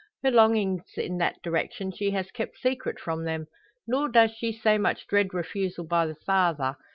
Her longings in that direction she has kept secret from them. Nor does she so much dread refusal by the father.